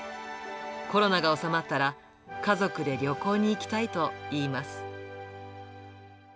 コロナが収まったら、家族で旅行に行きたいといいます。